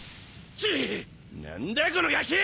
チッ何だこのガキ！